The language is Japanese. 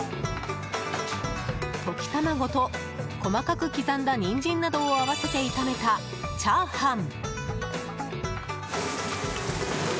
溶き卵と細かく刻んだニンジンなどを合わせて炒めたチャーハン。